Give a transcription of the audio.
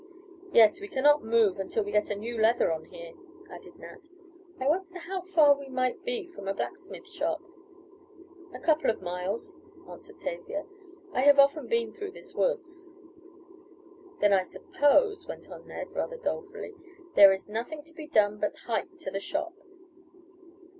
"Yes, we cannot move until we get a new leather on here," added Nat. "I wonder how far we might be from a blacksmith shop." "A couple of miles," answered Tavia. "I have often been through this woods." "Then I suppose," went on Ned, rather dolefully, "there is nothing to be done but 'hike' to the shop."